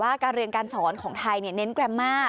การเรียนการสอนของไทยเน้นแกรมมา